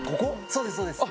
そうですそうです。